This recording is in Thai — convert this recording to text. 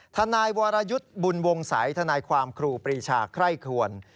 ทนายวรยุทธ์บุญวงศัยธนายความครูปรีชาไคร่ควร